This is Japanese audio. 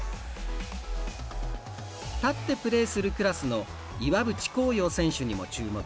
立ってプレーするクラスの岩渕幸洋選手にも注目。